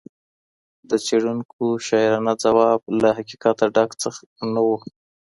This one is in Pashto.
د څېړونکي شاعرانه ځواب له حقیقته ډک نه و.